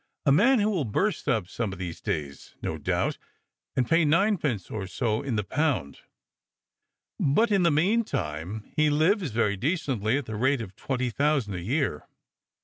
A man who will burst up some of these days, no doubt, and pay ninepence or so in the pound ; but in the mean time he lives very decently at the rate of twenty thousand a year.